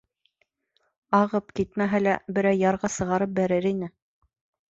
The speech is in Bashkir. Ағып китмәһә лә, берәй ярға сығарып бәрер ине.